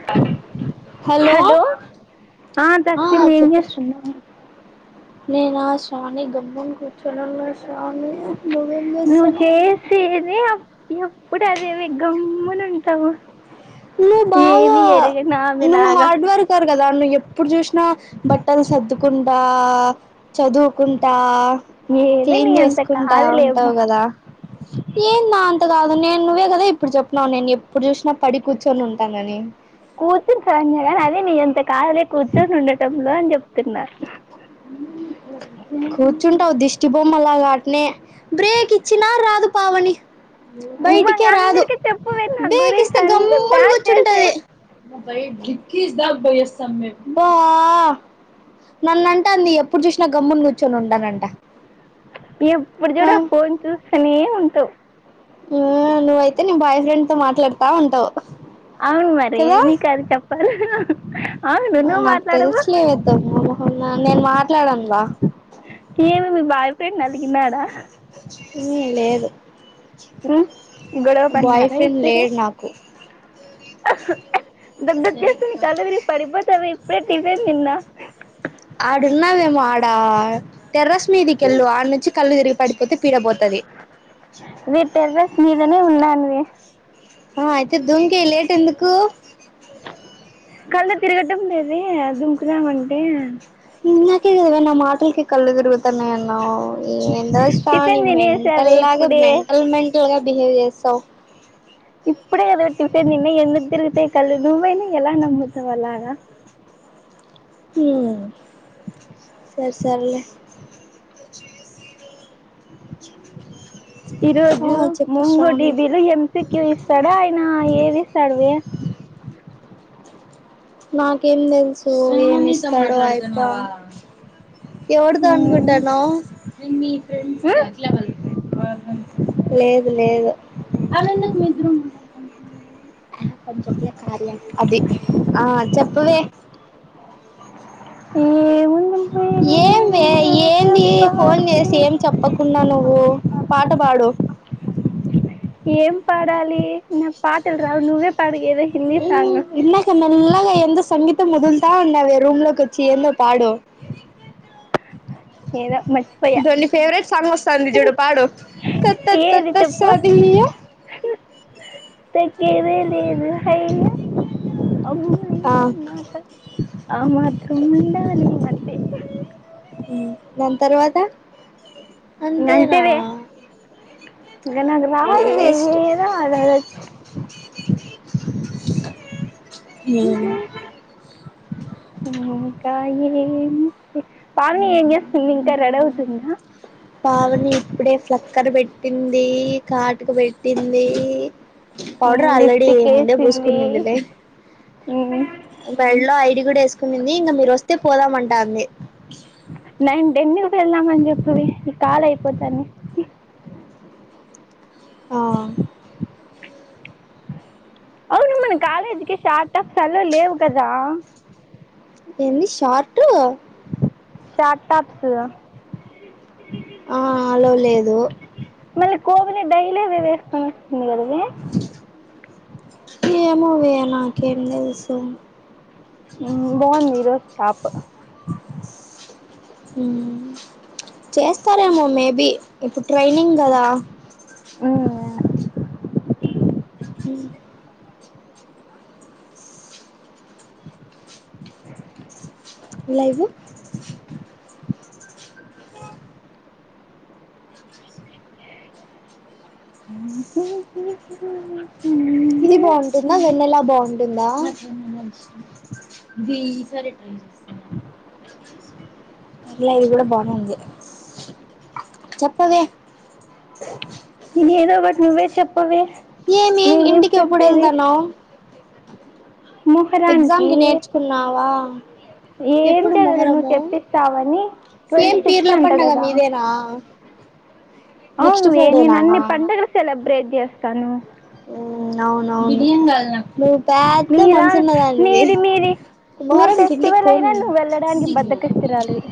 [inaudible] Hello దస్ మీ ఏం చేస్తున్నావు నేనాశాని గమ [unintelligible] కూర్చొని ఉన్నావు శ్రావణి నువ్వేం నువ్వు చేస్తున్నావ్ కుటే అదే గమ్మున ఉంటావు ను బాగా ఏమి ఎరగని నువ్వు ఆమెలాగా హార్డ్ వర్కర్ కదా నువ్వు ఎప్పుడు చూసినా బట్టలు సర్దుకుంటా చదువుకుంటా ఏది క్లీన్ నీ అంత చేసుకుంటా ఉంటావు కాదులేమ్మా కదా ఏం నా అంత కాదు నేను నువ్వే కదా ఇప్పుడు చెప్పున్నావు నేను ఎప్పుడు చూసినా పడి కూర్చొని ఉంటానని కూర్చుని కాని అదే నీ అంతా కాలే కూర్చొని ఉండటంలో అని చెప్తున్నారు అ [inaudible] కూర్చుంటావు దిష్టి బొమ్మలాగా అటేనే బ్రేక్ ఇచ్చినా రాదు పావని ఇవ్వ బయటికే రాదు అందరికీ చెప్పు నా బ్రేక్ గురించి ఇస్తే అంతా గమ్మున బ్యాడ్ చేసే కూర్చొంటది దాస్మ్ బా న [unintelligible] ఎప్పుడు చూడు ఆ ఫోన్ చూస్తనే ఉంటవ్ ఆమ్ నువ్వైతే నీ బాయ్ ఫ్రెండ్ తో మాట్లాడతా ఉంటావు అఓ [inaudible] అవును మరి కదా నీకది చెప్పాలి అవును నువ్వు నాకు మాట్లాడవు తెలుసులేవద్దు నేను మాట్లాడను బ ఏం మీ బాయ్ ఫ్రెండ్ అలిగినాడ ఉమ్, లేదు గొడవ బాయ్ ఫ్రెండ్ లేడు నాకు దగ్గొచేస్తుంది కళ్ళు తిరిగి పడిపోతవ ఇప్పుడే టిఫిన్ తిన్న ఆడున్నావేమో ఆడ టెర్రస్ మీదికెళ్ళు ఆడి నుంచి కళ్ళు తిరిగి పడిపోతే పీడపోతది మే టెర్రస్ మీదనే ఉన్నాను మే ఆ అయితే దుంకై లేట్ ఎందుకు కళ్ళు తిరగడం లేదే దూకుదామంటే ఇందాకే కదా నా మాటలకి కళ్ళు తిరుగుతు అన్నావ్ ఏందో శ్రావణి టిఫిన్ మెంటల్ తినేసావే లాగా ఇప్పుడే మెంటల్ మెంటల్ గా బిహేవ్ చే సావు ఇప్పుడే కదా టిఫిన్ చేస్తే తిన్నా ఎందుకు తిరుగుతాయి కళ్ళు నువ్వైనా ఎలా నమ్ముతావు అలాగా హమ్ సరిసర్లే ఈరోజు ఆ చెప్పు ముంగుడి శ్రావణి బిల్లు హెంసక్య ఇస్ ఇస్తాడా ఆయన ఏది ఇస్తాడు నాకేం తెలుసు ఏమి ఇస్తడో ఆయప్ప [inaudible] ఎవరితో అనుకుంటునావు లేదు లేదు అభి ఆ చెప్పవే ఏ ముంది ఎంవే ఏంది ఫోన్ చేసి చెప్పాలి ఏం చెప్పకుండా నువ్వు పా పాడు ఏం పాడాలి నాకి పాటలు రావు నువ్వే పాడు ఏదో హిందీ ఉమ్ సాంగ్ ఇందాక నల్లగా ఎందో సంగీత్ తం వదులుతా ఉన్నావే రూమ్ లోకి వచ్చి ఏందో పాడు ఏదో మర్చిపోయా ఇదో నీ ఫేవరెట్ సాంగ్ వస్తుంది చూడు పాడు త త త ఏది చెప్పు తస్సాదియ తగ్గేదే లేదు అయ్యా అమ్మాయి ఆ అన్నాక ఆమాత్రం ఉండాలి అంతే ఉమ్ దాని తర్వాత అంతేనా ఇక నాకు రాదువే వేస్ట్ ఏదో అలా వచ్చు ఉమ్ [unintelligible] పారూ ఏం చేస్తుంది ఇంకా రెడీ అవుతుందా స్టికర్ పెట్టింది కాటుక పెట్టింది పౌడర్ ఆల్రెడీ ముందే పూసుకుని ఉందిలే ఇంక మెడలో ఐడి కూడా వేసుకునింది ఇంకా మీరు వస్తే పోదామంటాది నైన్ టెన్ కి వెళ్దామని చెప్పింది ఈ కాలు అయిపోతానే ఆ అవును మన కాలేజీకి షార్ట్ అఫ్స్లో లేవు కదా ఏంది షార్ట్ షార్ట్ టాప్స్ ఆ అలో లేదు మళ్ళీ కోబని డైలీ వే వేసుకొని వస్తుంది కదవి ఏమో వే నాకేం తెలుసు ఉమ్ బావుందీ ఈరోజు టాప్ ఉమ్ చేస్తారేమో మే బి ఇప్పుడు ట్రైనింగ్ కదా ఉమ్ ఉమ్ లైవ్ ఉమ్మ్ హు హు ఉహ్మ్ ఇది బాగుంటుందా వెన్నెలా బాగుంటుందా గీసారి ట్రై చేస్ పర్లే ఇది కూడా బానే ఉంది ఇది ఏదో ఒకటి నువ్వే చెప్పవే ఏమి నేనేం చెప్పేది ఎక్జామ్కి నేర్చుకున్నావా అ ఎప్పుడు ఏంటది నువ్వు మొహరము చెప్పిస్తావని ట్వంటీ ఏం సిక్స్ పీర్ల అంటా పండగ కదా మీదేనా అ నెక్స్ట్ ఫ్రైడేనా నేనేనన్ని పండుగలు సెలబ్రేట్ చేస్తాను నువ్ పద్ద నీలా మంచున్న దానివి నీది మీది మీ వారం కింటికి ఫెస్టివల్ పోన్ అయినా నువ్వు నేను వెళ్ళడానికి బద్దకిస్తురాలివి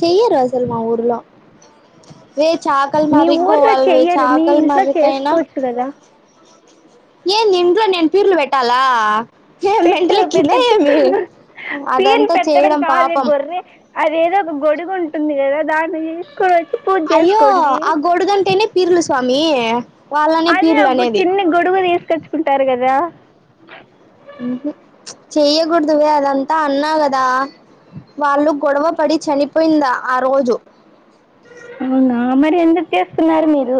చెయరు అసల్మా ఊర్ల వే మీ చాకల్మరకి ఊర్లో పోవాలవే చెయ్యరు మీ చాకల్ మ ఇంట్లో చేసుకోవచ్చు కదా ఏన్ నింట్లో నేను ప్యూర్లు పెట్టాలా ఏ పెట్టు పెట్టి మెంటలికిిందాయేమి పీర్లు అదంతా పెట్టడం చేయడం కాదు పాపం గొర్రె అదేదో ఒక గొడుగు ఉంటుంది కదా దాని అయ్యో ఆ గోడుగంటేనే పీర్ల స్వామి వాళ్ళనే అదే పీర్లు అబ్బ అనేది చిన్ని గొడుగు తీసుకొచ్చుకుంటారు కదా చెయ్యకూడదువే అదంతా అన్నాగదా వాళ్ళు గొడవ పడి చనిపోయిందా ఆ రోజు అవునా మరి ఎందుకు చేస్తున్నారు మీరు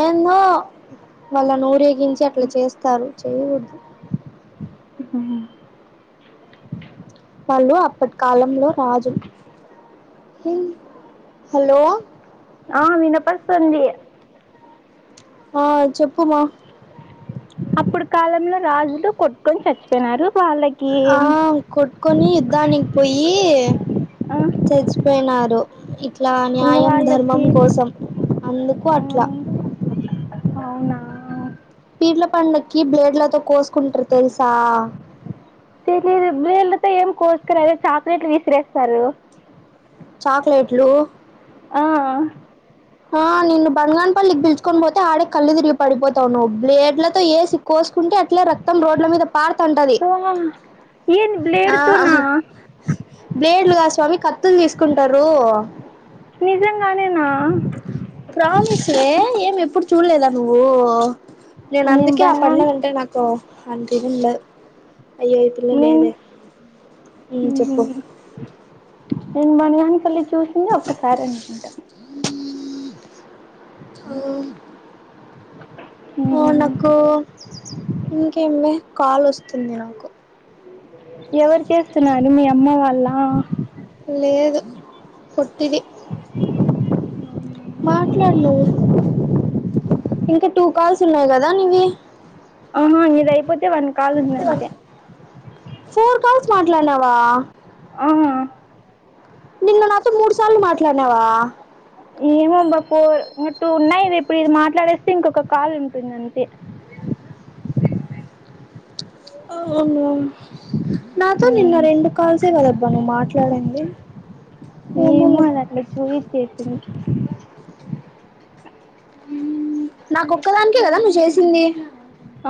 ఏన్నో వాళ్ళన్ ఊరేగించి అట్లా చేస్తారు చేయకుడద్ ఆ వాళ్ళు అప్పటి కాలంలో రాజు హలో ఆ వినప్పసంది ఆ చెప్పుమా అప్పుడు కాలంలో రాజులు కొట్టుకొని చచ్చిపోయినారు వాళ్ళకి ఆ కొట్టుకొని యుద్ధానికి పోయి ఆ చచ్చిపోయినర్ ఇట్లా ఇంకా న్యాయం ధర్మం వాళ్ళకి కోసం అందుకు అట్లా అవునా పీడ్ల పండక్కి బ్లేడ్లతో కోసుకుంట్రు తెలుసా తెలీదు బ్లేడులతో ఏం కోసుకురు అదే చాక్లెట్లు విసిరేస్తారు చాక్లెట్లు ఆ ఆ నిన్ను బన్గన్పల్లికిిపిల్చుకొని పోతే ఆడే కళ్ళు తిరిగి పడిపోతావు నువ్వు బ్లేడ్లతో ఏసిక్క్కోసుకో కుంటే అట్లే రక్తం రోడ్ల మీద పార్తంటది ఆ ఏంది ఆ బ్లేడుతోనా బ్లేడ్లుగాద్ స్వామి క తుల్ తీసుకుంటారు నిజంగానేనా ప్రామిస్ వే ఎప్పుడు చూడలేదా నువ్వు నేను అందుకే ఆ పండగంటే నాకు అంత ఇది ఉండద్ అయ్యో యి పిల్ల నేను లేదే ఉమ్ చెప్పు నేను బణగాన్పల్లి చూసింది ఒక్కసారి అనుకుంటా ఓ ఆ నాకు ఇంకేమ్మి కాల్ అస్తుంది నాకు ఎవరు చేస్తున్నారు మీ అమ్మ వాళ్ళ లేదు పొట్టిది అ మాట్లాడు నువ్వు ఇంకా టూ కాల్స్ ఉన్నాయి కదా నీవి ఆహా నీది అయిపోతే వానీ కాల్స్ ఉంది అంతే ఫోర్ కాల్స్ మాట్లాడనావా ఆహ నిన్ను నాతో మూడు సార్లు మాట్లాడినావా ఏమో అబ్బా ఫో టు ఉన్నాయి ఇది ఇప్పుడు ఇది మాట్లాడేస్తే ఇంకొక కాల్ ఉంటుంది అంతే అవును నాతో నిన్న ఉమ్ రెండు కాల్సే కదబ్బా నువ్వు మాట్లాడంది ఏమో అది అట్లా చూయిసింది నాకొక్కదానికే కదా నువ్వు చేసింది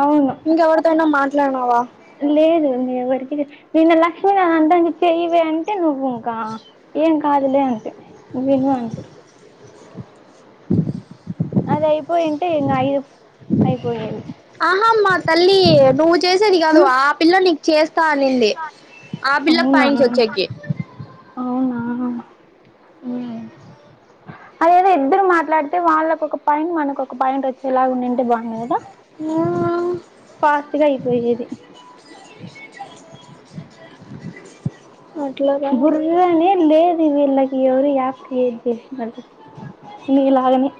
అవును ఇంకెవరితోనా మాట్లాడినావా లేదు ఇంకా ఎవరికి నిన్న లక్ష్మీనా అంతానికి చెయవ అంటే నువ్వు కా ఏం కాదులే అంటివి విను అంటే అది అయిపోయింటే ఇంగ ఐదు అయిపోయావి ఆహమ్మా తల్లి నువ్వు చేసేది కాదు ఆ పిల్ల నీకు చేస్త అనిందే ఆ పిల్లకి అవునా పయింస్ వచ్చేకి అవునా ఉమ్ అదేదో ఇద్దరు మాట్లాడితే వాళ్ళకి ఒక పయింట్ మనకు ఒక పాయింట్ వచ్చేలాగా ఉండింటే బాగుంది కదా ఆ ఫాస్ట్ గా అయిపోయేది అట్లా కాదు బుర్రనే లేదు విళ్ళకి ఎవరు ఈ యాప్ క్రియేట్ చేశరో నీలాగనే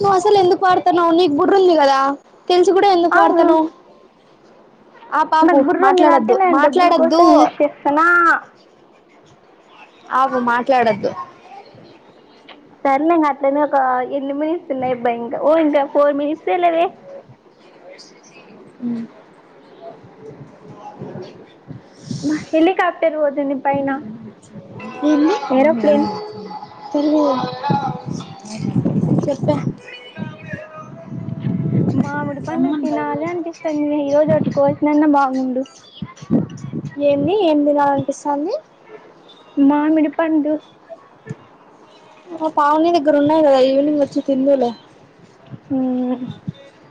నువ్వు అసలు ఎందుకు పాడతావు నీకు బుర్ర ఉంది కదా తెలిసు కూడా ఎందుకు అవును వాడతనవ్ ఆ బాపు నాకు బుర్ర ఉంది కాబట్టి మాట్లాడద్దు నేను డబ్బుల మాట్లాడొద్దు కోసం యూజ్ చేస్తానా అగు మాట్లాడద్దు సరేలేంగా అట్లనే ఒక ఎన్ని మినిట్స్ ఉన్నాయి అబ్బాయి ఇంకా ఓ ఇంకా ఫోర్ మినిట్స్ లేవే ఉ అ. హు తిరిగి ఏరోప్లేన్ చెప్పే మామిడిపండు తినాలి అనిపిస్తాను నేను ఈ రోజు ఒక కోతినాన్న బాగుండు ఏంది ఏం తినాలనిపిస్తుంది మామిడి పండు మా పావని దగ్గర ఉన్నాయి కదా ఈవినింగ్ వచ్చి తిందువులే ఉ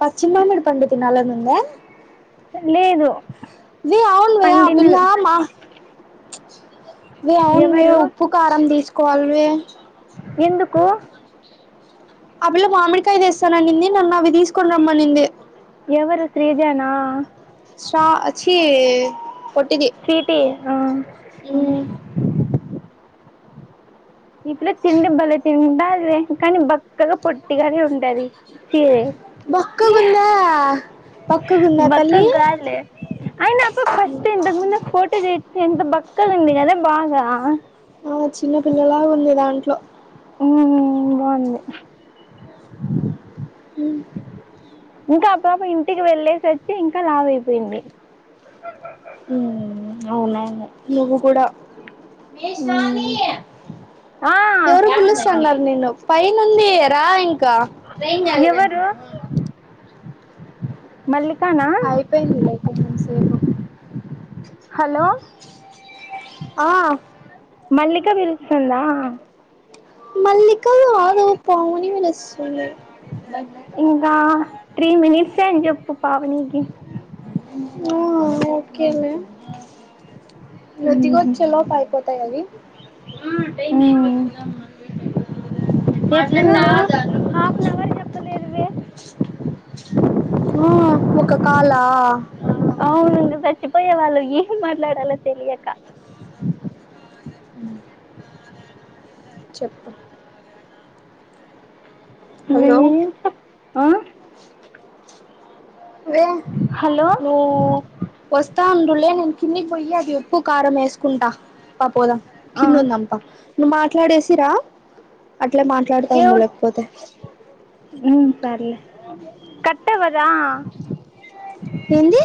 పచ్చి మామిడిపండు తినాలని ఉందా లేదు వే అవునువే ఆ పిల్ల పండినవి మా వే అవునువే ఎవరు ఉప్పు కారం తీసుకోవాలవే ఎందుకు ఆ పిల్ల మామిడికాయ తెస్తాననింది నన్ను అవి తీసుకొని రమ్మనింది ఎవరు శ్రీజనా సా చి పొట్టది స్వీటీ ఆ. ఉ ఇట్లో తిండి బలే తింటాదే కానీ బక్కగా పొట్టిగానే ఉంటదీ బక్కగుందా బక్కగుందా బక్కగా తల్లీ. కాదులే అయినా అప్ప ఫస్ట్ ఇంతక్ ముందే ఫోటో చేయిచ్చ ఎంత బక్కగుంది కదా బాగా ఆ చిన్న పిల్లలాగుంది దాంట్లో మ్ బాగుంది. హ్ ఇంకా పాప ఇంటికి వెళ్లేేసచ్చి ఇంకా లావైపోయింది. మ్ అవునవును నువ్వు కూడా ఉమ్ ఆ ఎవరో పిలుస్తా ఉన్నారు నేను ఫైనుంది రా ఇంకా మళ్ళి అయిపోయిందిలె కొంచం సేపు హలో ఆ మల్లిక పిలుస్తుందా? మల్లిక కాదు పావని వాళ్ళ [inaudible] ఇంకా త్రీ మినిట్సే అన్ జెప్పు పావనికి ఆ ఓకేలే ఇగో ఉమ్ దిగొచ్చేలోప్ అయిపోతాయి అవి ఆ టైం ఉమ్ అయిపోయింది పోదామా ఎట్లనో మాట్లాడ్తా ధరణి హాఫ్ అన్ గుర్తొచ్చింది. అవర్ చెప్పలేదువే ఆ ఒక కాలా అవును ఇంక చచ్చిపోయే వాళ్ళు ఏం మాట్లాడాలో తెలియక చెప్పు హలో వెయ్యే ఇత్తం ఆ వే హలో వస్తాన్ డుల్ అదే నేను కిందికి పోయి అది ఉప్పు, కారం ఏస్కుంటా పా పోదాం ఆ కిందుందం ప నువ్ మాట్లాడేసి రా అట్లే మాట్లాడ్తా ఉండు ఎవరు లేకపోతే ఉమ్ సర్లే కట్టవ్వదా ఏంది?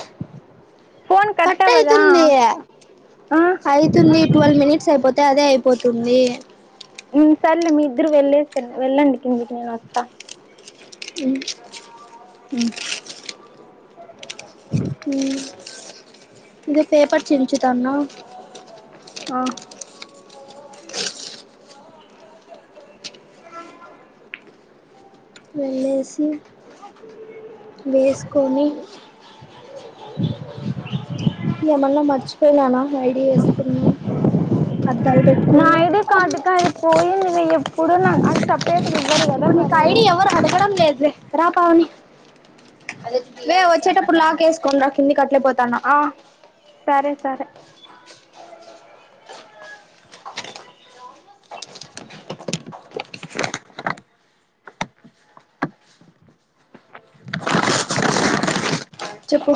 కట్ అయితుంది. ఆ అయితుంది ట్వల్వ్ మినిట్స్ అయిపో తే అదే అయిపోతుంది. మ్ సర్లే మీ ఇద్దరు వెళ్లేేస్తాన్ వెళ్ళండి కిందికి నేన్ వస్తా. మ్ అ ఇగ పేపర్ చించుతన్నా. ఆ వెళ్ళేసి వేస్కొని ఏమన్నా మర్చిపోయినానా ఐడి ఏస్కున్నా నా ఐడి కార్డ్కది పోయింది ఎప్పుడు నా అది సపరేట్గా ఇవ్వరు కదా ఇప్పుడు నీక్ మరి ఐడి ఎవ్వరు అడగడం లేదులె రా పావని వే వచ్చేటప్పుడు లాక్ ఏస్కొన్ రా కిందిక పోతానా ఆ సరే సరే చెప్పు?